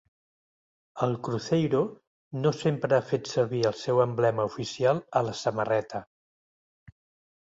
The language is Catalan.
El Cruzeiro no sempre ha fet servir el seu emblema oficial a la samarreta.